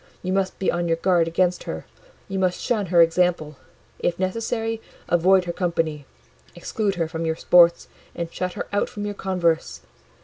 You must be on your guard against her; you must shun her example; if necessary, avoid her company, exclude her from your sports, and shut her out from your converse.